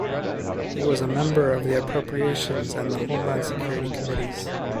He was a member of the Appropriations and the Homeland Security committees.